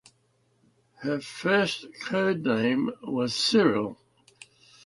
Her first code name was "Cyril".